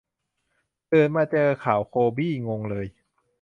ตื่นมาเจอข่าวโคบี้ งงเลย